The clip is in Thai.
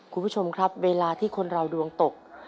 คุณผู้ชมครับเวลาที่คนเราดวงตก